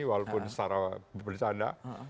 walaupun secara bercanda